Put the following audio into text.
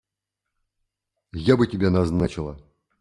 Я бы тебя назначила.